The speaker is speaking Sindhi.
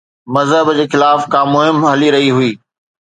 مذهب جي خلاف ڪا مهم هلي رهي هئي؟